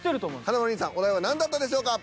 華丸兄さんお題は何だったでしょうか？